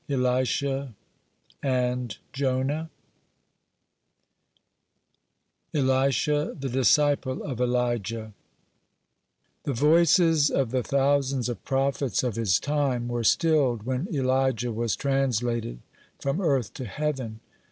ELISHA AND JONAH ELISHA THE DISCIPLE OF ELIJAH The voices of the thousands of prophets of his time were stilled when Elijah was translated from earth to heaven.